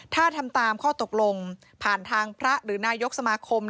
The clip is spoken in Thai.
ถ้าทำตามข้อตกลงผ่านทางพระหรือนายกสมาคม